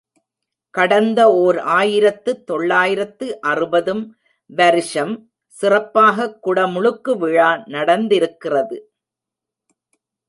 கடந்த ஓர் ஆயிரத்து தொள்ளாயிரத்து அறுபது ம் வருஷம் சிறப்பாகக் குடமுழுக்கு விழா நடந்திருக்கிறது.